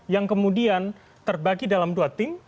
yang kemudian terbagi dalam dua tim